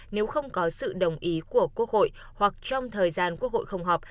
nếu không có sự đồng ý của quốc hội hoặc trong thời gian quốc hội không họp